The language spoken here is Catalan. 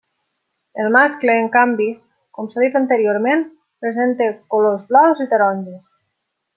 El mascle, en canvi, com s'ha dit anteriorment presenta colors blaus i taronges.